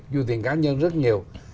du thuyền cá nhân rất nhiều